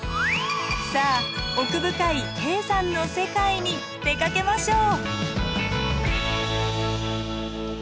さあ奥深い低山の世界に出かけましょう！